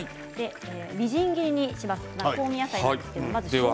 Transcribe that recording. みじん切りにします。